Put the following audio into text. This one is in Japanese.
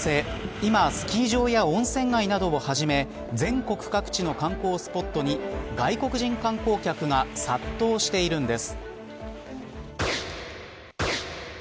今、スキー場や温泉街などを始め全国各地の観光スポットに外国人観光客が殺到しているんです。